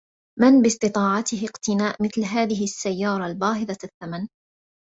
من باستطاعته اقتناء مثل هذه السيارة الباهظة الثمن